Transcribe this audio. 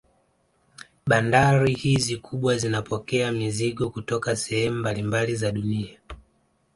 Bandari hizi kubwa zinapokea mizigo kutoka sehemu mbalimbali za dunia